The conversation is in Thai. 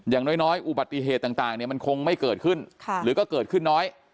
อย่างน้อยอุบัติเหตุต่างมันคงไม่เกิดขึ้นหรือก็เกิดขึ้นน้อย